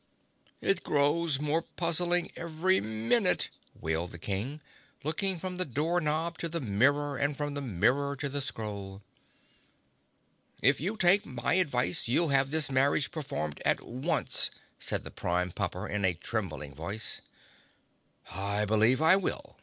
"It grows more puzzling every minute," wailed the King, looking from the door knob to the mirror and from the mirror to the scroll. "If you take my advice you'll have this marriage performed at once," said the Prime Pumper in a trembling voice. "I believe I will!"